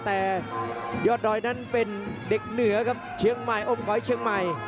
แต่ยอดดอยนั้นเป็นเด็กเหนือครับเชียงใหม่อมก๋อยเชียงใหม่